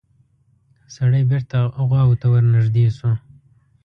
سړی بېرته غواوو ته ورنږدې شو.